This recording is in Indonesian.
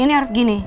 ini harus begini